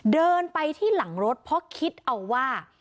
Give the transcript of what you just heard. เดินไปที่หลังรถเพราะคิดเอาว่า